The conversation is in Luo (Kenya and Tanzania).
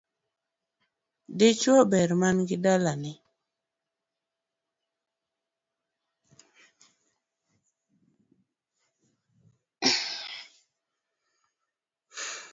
Dichuo ber manigi dalane